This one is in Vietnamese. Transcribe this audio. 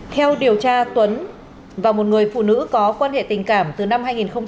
theo điều tra tuấn và một người phụ nữ có quan hệ tình cảm từ năm hai nghìn một mươi ba